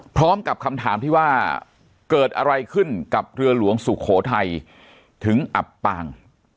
พร้อมกับคำถามที่ว่าเกิดอะไรขึ้นกับเรือหลวงสุโขทัยถึงอับปาง